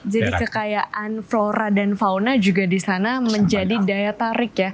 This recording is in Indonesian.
jadi kekayaan flora dan fauna juga di sana menjadi daya tarik ya